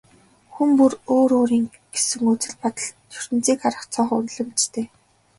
Хүн бүр өөр өөрийн гэсэн үзэл бодол, ертөнцийг харах цонх, үнэлэмжтэй.